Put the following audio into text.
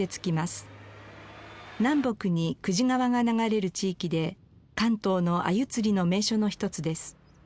南北に久慈川が流れる地域で関東の鮎釣りの名所の一つです。